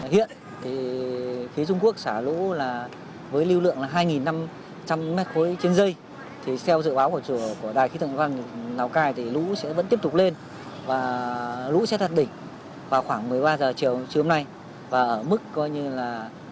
hiện thì khí trung quốc xả lũ với lưu lượng hai năm trăm linh m một s theo dự báo của đài khí tượng thủy văn lào cai thì lũ sẽ vẫn tiếp tục lên và lũ sẽ thật đỉnh vào khoảng một mươi ba h chiều hôm nay và ở mức coi như là tám mươi hai